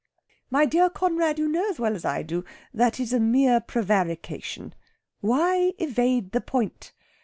"My dear Conrad, you know as well as I do that is a mere prevarication. Why evade the point?